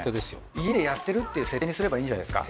家でやってるっていう設定にすればいいんじゃないですか？